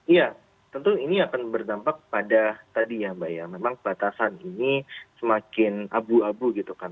iya tentu ini akan berdampak pada tadi ya mbak ya memang batasan ini semakin abu abu gitu kan